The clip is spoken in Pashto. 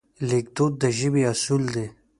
لیکدود د ژبې اصول دي.